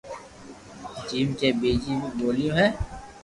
جيم ڪي ٻيجي بي ٻوليو ھي